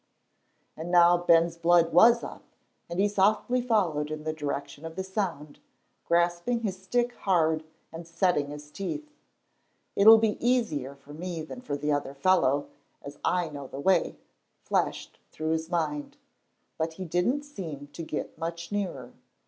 And now Ben's blood was up, and he softly followed in the direction of the sound, grasping his stick hard and setting his teeth. "It'll be easier for me than for the other fellow, as I know the way," flashed through his mind. But he didn't seem to get much nearer.